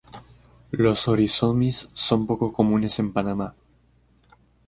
Los "Oryzomys" son poco comunes en Panamá.